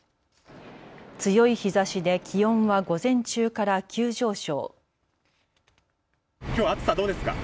強い日ざしで気温は午前中から急上昇。